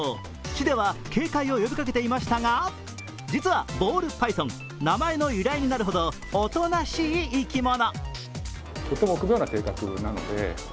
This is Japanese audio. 市では警戒を呼びかけていましたが、実はボールパイソン、名前の由来になるほどおとなしい生き物。